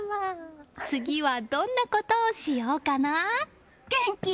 次は、どんなことをしようかな？